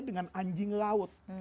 dengan anjing laut